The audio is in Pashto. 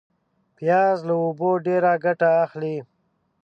پیاز له اوبو ډېر ګټه اخلي